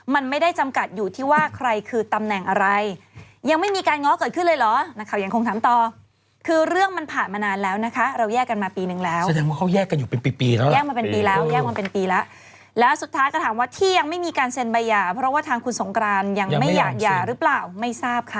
ตอนได้นำดอกไม้ถูกเทียนขั้น๕มาสการะบูชาปรากฏว่าในระหว่างที่ทำการเอาแพ่งมาโรย